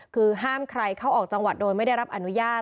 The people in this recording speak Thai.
คือห้ามใครเข้าออกจังหวัดโดยไม่ได้รับอนุญาต